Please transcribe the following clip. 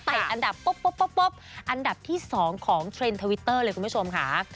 อันดับปุ๊บอันดับที่๒ของเทรนด์ทวิตเตอร์เลยคุณผู้ชมค่ะ